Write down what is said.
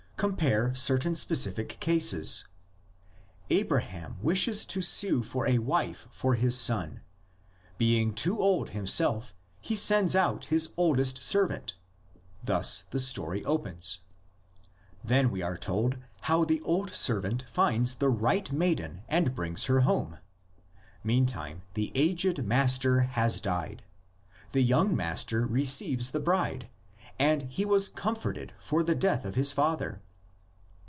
Com pare certain specific cases: Abraham wishes to sue for a wife for his son; being too old himself he sends out his oldest servant — thus the story opens. Then we are told how the old servant finds the right maiden and brings her home. Meantime the aged master has died. The young master receives the bride, and "he was comforted for the death of his father."